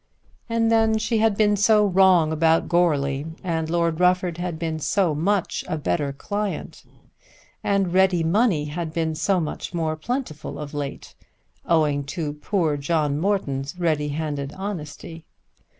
And then she had been so wrong about Goarly, and Lord Rufford had been so much better a client! And ready money had been so much more plentiful of late, owing to poor John Morton's ready handed honesty!